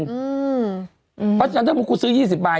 หนึ่งเปอร์เซ็นต์อืมถ้าเมื่อกูซื้อยี่สิบใบ